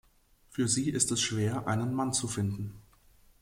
Für sie ist es schwer einen Mann zu finden.